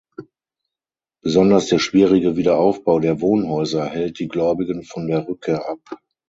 Besonders der schwierige Wiederaufbau der Wohnhäuser hält die Gläubigen von der Rückkehr ab.